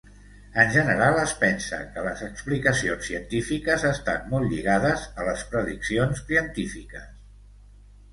En general es pensa que les explicacions científiques estan molt lligades a les prediccions científiques.